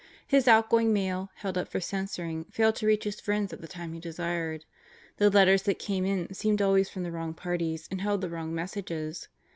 His outgoing mail, held up for censoring, failed to reach his friends at the time he desired. The letters that came in seemed always from the wrong parties and held the wrong messages.